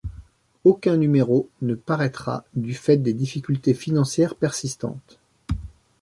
Aucun numéro ne paraîtra du fait des difficultés financières persistantes.